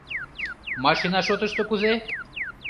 — Машина шотышто кузе?